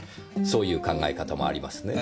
そういう考え方もありますね。